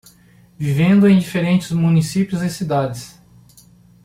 Vivendo em diferentes municípios e cidades